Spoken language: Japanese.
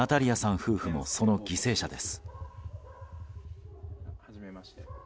夫婦もその犠牲者です。